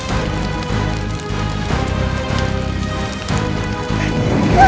rai aku harus menolongnya